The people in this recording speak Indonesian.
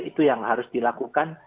itu yang harus dilakukan